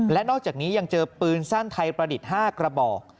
และนอกจากนี้ยังเจอปืนสั้นไทยประดิษฐ์๕กระบอก